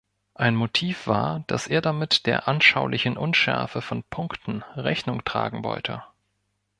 Ein Motiv war, dass er damit der anschaulichen „Unschärfe“ von Punkten Rechnung tragen wollte.